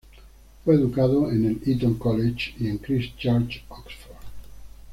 Fue educado en el Eton College y en Christ Church, Oxford.